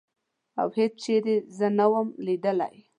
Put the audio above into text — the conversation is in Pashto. او هېڅ چېرې زه نه وم لیدلې.